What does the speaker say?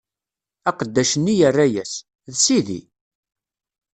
Aqeddac-nni yerra-yas: D sidi!